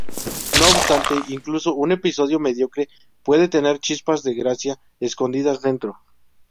No obstante, "incluso un episodio mediocre puede tener chispas de gracia escondidas dentro.